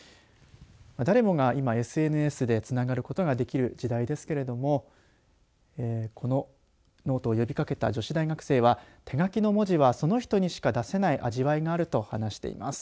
誰もが今、ＳＮＳでつながることができる時代ですけれどもこのノートを呼びかけた女子大学生は手書きの文字は、その人にしか出せない味わいがあると話しています。